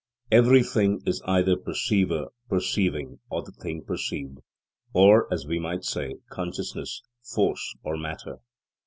Everything is either perceiver, perceiving, or the thing perceived; or, as we might say, consciousness, force, or matter.